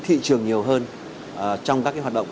thị trường nhiều hơn trong các cái hoạt động